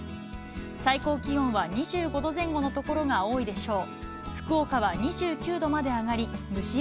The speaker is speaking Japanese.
最高気温は２５度前後の所が多いでしょう。